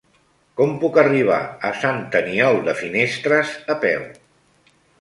Com puc arribar a Sant Aniol de Finestres a peu?